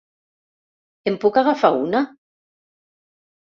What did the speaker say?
En puc agafar una?